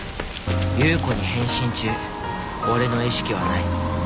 夕子に変身中おれの意識はない。